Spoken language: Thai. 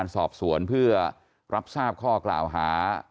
สอบสวนเพื่อรับทราบข้อกล่าวหา